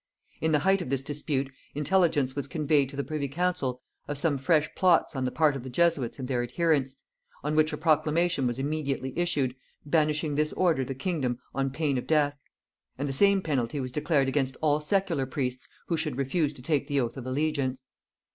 In the height of this dispute, intelligence was conveyed to the privy council of some fresh plots on the part of the Jesuits and their adherents; on which a proclamation was immediately issued, banishing this order the kingdom on pain of death; and the same penalty was declared against all secular priests who should refuse to take the oath of allegiance.